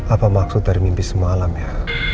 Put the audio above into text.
apa maksud dari mimpi semalam ya